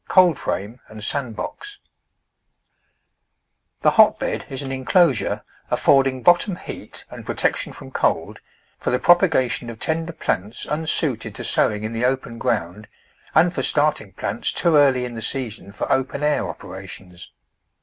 Colfcftatne an* &anfc$ojr THE hotbed is an enclosure, affording bottom heat and protection from cold, for the propagation of tender plants unsuited to sowing in the open ground, and for starting plants too early in the season for open air operations.